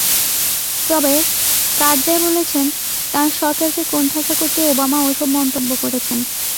তবে কারজাই বলেছেন, তাঁর সরকারকে কোণঠাসা করতেই ওবামা ওসব মন্তব্য করেছেন।